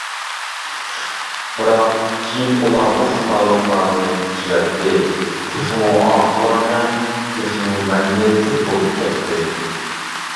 بىراق، كېيىن ئۇلار بۇ خاتالىقلارنى تۈزەتتى، تېخىمۇ ئاقىلانە، تېخىمۇ مەدەنىيەتلىك بولۇپ كەتتى.